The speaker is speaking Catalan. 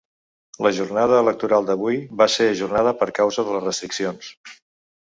La jornada electoral d’avui va ser ajornada per causa de les restriccions.